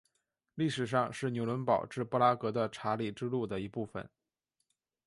历史上是纽伦堡至布拉格的查理之路的一部份。